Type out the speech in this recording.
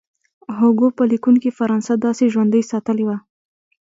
هوګو په لیکونو کې فرانسه داسې ژوندۍ ساتلې وه.